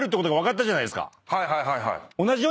はいはいはいはい。